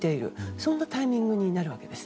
そんなタイミングになるわけです。